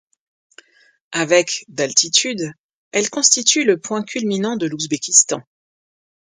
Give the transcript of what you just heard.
Avec d'altitude, elle constitue le point culminant de l'Ouzbékistan.